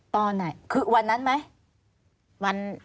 ตอนไหนคือวันนั้นไหม